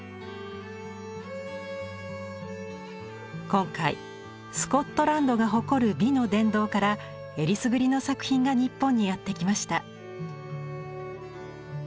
今回スコットランドが誇る美の殿堂からえりすぐりの作品が日本にやって来ました。